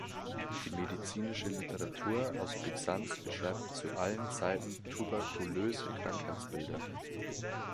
Die medizinische Literatur aus Byzanz beschreibt zu allen Zeiten tuberkulöse Krankheitsbilder.